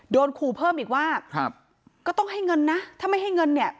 โดนขู่เพิ่มอีกว่าครับก็ต้องให้เงินนะถ้าไม่ให้เงินเนี่ย